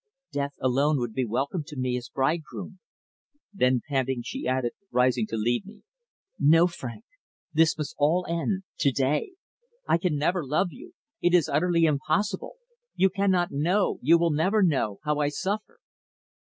Death alone would be welcome to me as bridegroom." Then panting, she added, rising to leave me: "No, Frank, this must all end to day. I can never love you. It is utterly impossible. You cannot know you will never know how I suffer."